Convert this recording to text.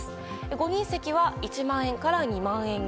５人席は１万円から２万円に。